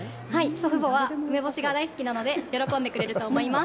祖父母は梅干しが大好きなので、喜んでくれると思います。